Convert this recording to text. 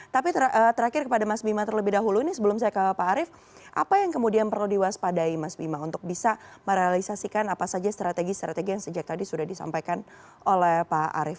tapi terakhir kepada mas bima terlebih dahulu ini sebelum saya ke pak arief apa yang kemudian perlu diwaspadai mas bima untuk bisa merealisasikan apa saja strategi strategi yang sejak tadi sudah disampaikan oleh pak arief